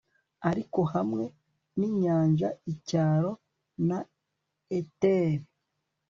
Ariko hamwe ninyanja icyaro na ether